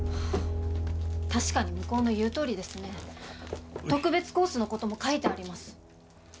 確かに向こうの言うとおりですね特別コースのことも書いてあります